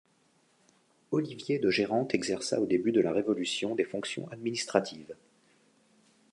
Olivier de Gérente exerça au début de la Révolution des fonctions administratives.